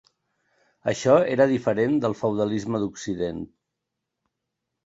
Això era diferent del feudalisme d'occident.